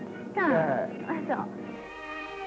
あそう。